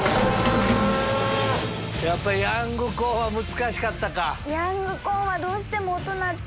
やっぱりヤングコーンは難しかったか。